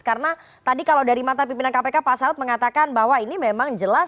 karena tadi kalau dari mata pimpinan kpk pak saud mengatakan bahwa ini memang jelas